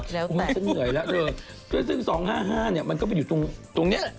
ซึ่งเหนื่อยแล้วซึ่ง๒๕๕มันก็ไปอยู่ตรงนี้